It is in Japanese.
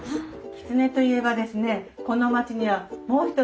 きつねといえばですね